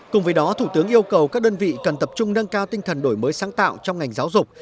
cùng với đó thủ tướng yêu cầu các đơn vị cần tập trung nâng cao tinh thần đổi mới sáng tạo trong ngành giáo dục